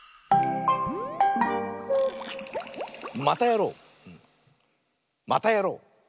「またやろう！またやろう！」。